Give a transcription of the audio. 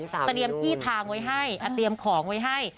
เตรียมที่ทางไว้ให้เตรียมของไว้ให้